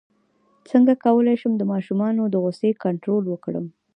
څنګه کولی شم د ماشومانو د غوسې کنټرول وکړم